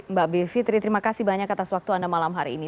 mbak bivitri terima kasih banyak atas waktu anda malam hari ini